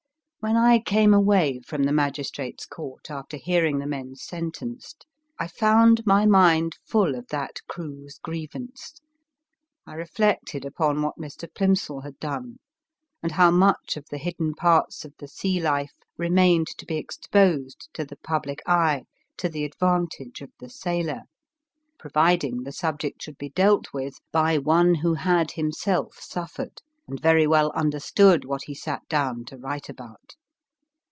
When I came away from the magistrates court, after hearing the men sentenced, I found my mind full of that crew s grievance. I reflected upon what Mr. Plimsoll had done, and how much of the hidden parts of the sea life remained to be exposed to the public eye, to the advantage of the sailor, providing the subject should be dealt with by one who had D 2 36 MY FIRST BOOK himself suffered, and very well understood what he sat down to write about.